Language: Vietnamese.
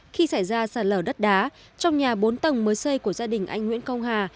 khi xảy ra sạt lở đất đá trong nhà bốn tầng mới xây của gia đình anh nguyễn công hà